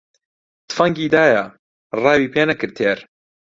تفەنگی دایە، ڕاوی پێ نەکرد تێر